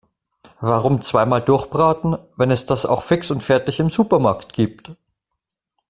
Warum zweimal durchbraten, wenn es das auch fix und fertig im Supermarkt gibt?